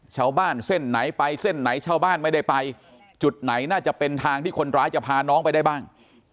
ชาวบ้านเส้นไหนไปเส้นไหนชาวบ้านไม่ได้ไปจุดไหนน่าจะเป็นทางที่คนร้ายจะพาน้องไปได้บ้าง